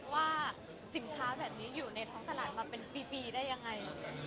ว่าสินค้าแบบนี้อยู่ในท้องตลาดมาเป็นปีได้ยังไง